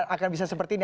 akan bisa seperti ini